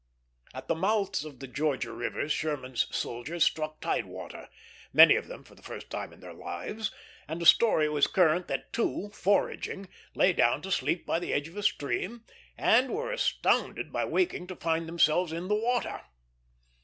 At the mouths of the Georgia rivers Sherman's soldiers struck tide water, many of them for the first time in their lives; and a story was current that two, foraging, lay down to sleep by the edge of a stream, and were astounded by waking to find themselves in the water.